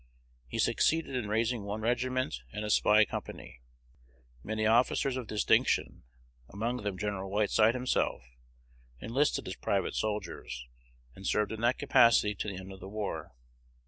He succeeded in raising one regiment and a spy company. Many officers of distinction, among them Gen. Whiteside himself, enlisted as private soldiers, and served in that capacity to the end of the war.